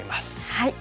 はい。